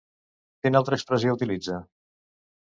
Quina altra expressió utilitza?